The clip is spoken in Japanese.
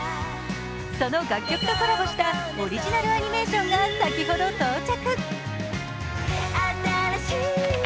その楽曲とコラボしたオリジナルアニメーションが先ほど到着。